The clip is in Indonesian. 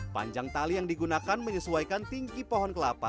panjang tali yang digunakan menyesuaikan tinggi pohon kelapa